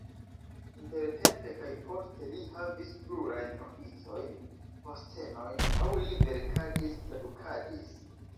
Intertempe kaj poste li havis plurajn oficojn, postenojn aŭ li verkadis, tradukadis.